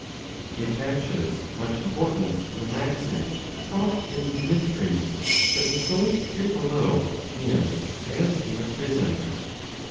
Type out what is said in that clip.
He attaches much importance to the maxim taught in the mysteries that the soul here below is as in a prison.